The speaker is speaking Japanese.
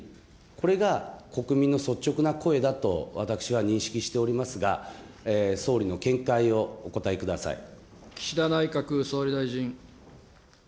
これが国民の率直な声だと私は認識をしておりますが、総理の見解岸田内閣総理大臣。